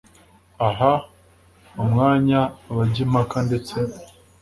aha umwanya abajya impaka ndetse